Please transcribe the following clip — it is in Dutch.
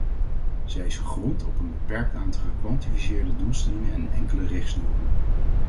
Zij is gegrond op een beperkt aantal gekwantificeerde doelstellingen en enkele richtsnoeren.